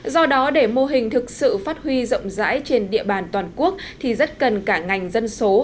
do đó để mô hình thực sự phát huy rộng rãi trên địa bàn toàn quốc thì rất cần cả ngành dân số